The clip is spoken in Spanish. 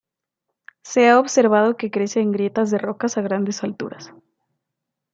Se ha observado que crece en grietas de rocas a grandes alturas.